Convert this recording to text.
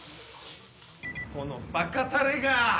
このバカタレが！